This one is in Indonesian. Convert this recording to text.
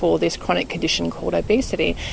untuk kondisi kronik ini yang disebut obesitas